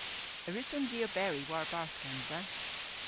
A wrussons i oberi war-barth gansa?